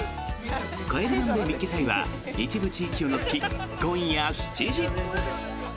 「帰れマンデー見っけ隊！！」は一部地域を除き今夜７時。